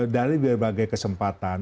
dari berbagai kesempatan